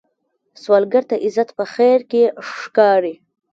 سوالګر ته عزت په خیر کې ښکاري